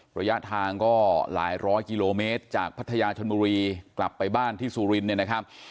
ระยะทางก็หลายร้อยกิโลเมตรจากพัทยาชนบุรีกลับไปบ้านที่สุรินเนี่ยนะครับ